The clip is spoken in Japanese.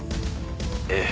ええ。